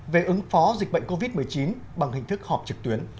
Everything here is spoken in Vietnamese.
về ứng phó dịch bệnh covid một mươi chín bằng hình thức họp trực tuyến